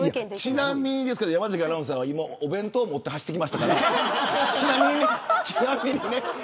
ちなみに山崎アナウンサーは今お弁当を持って走ってきました。